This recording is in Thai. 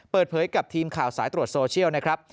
เปิดเผยกับทีมข่าวสายตรวจโซเชียลนะครับ